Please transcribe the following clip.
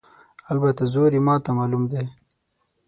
البته زور یې ماته معلوم دی.